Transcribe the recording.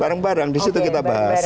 bareng bareng di situ kita bahas